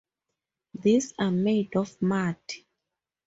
These are made of mud.